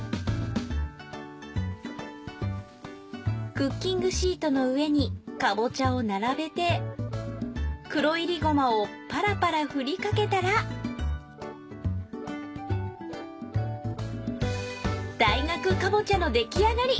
クッキングシートの上にかぼちゃを並べて黒いりごまをパラパラ振りかけたら大学かぼちゃの出来上がり！